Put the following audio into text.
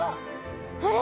あれ？